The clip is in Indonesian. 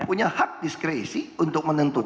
punya hak diskresi untuk menuntut